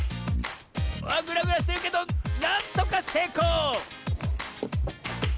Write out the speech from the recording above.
あっグラグラしてるけどなんとかせいこう！